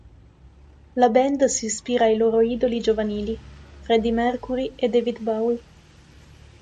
La "band" si ispira ai loro idoli giovanili, Freddie Mercury e David Bowie.